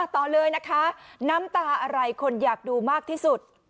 ต่อเลยนะคะน้ำตาอะไรคนอยากดูมากที่สุด